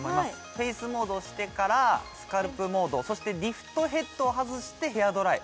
ＦＡＣＥモード押してからスカルプモードそしてリフトヘッドを外してヘアドライ